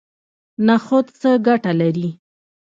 نخود څه ګټه لري؟